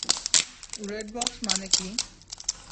Red box মানে কী?